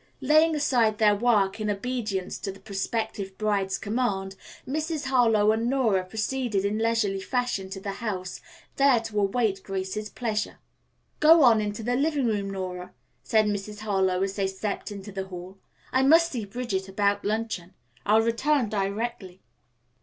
Laying aside their work in obedience to the prospective bride's command, Mrs. Harlowe and Nora proceeded in leisurely fashion to the house, there to await Grace's pleasure. "Go on into the living room, Nora," said Mrs. Harlowe as they stepped into the hall. "I must see Bridget about luncheon. I'll return directly."